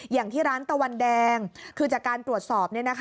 อย่างที่ร้านตะวันแดงคือจากการตรวจสอบ